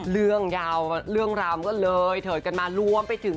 เรื่องยาวเรื่องราวมันก็เลยเถิดกันมารวมไปถึง